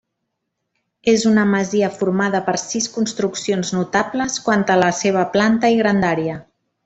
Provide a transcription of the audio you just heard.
És una masia formada per sis construccions notables quant a la seva planta i grandària.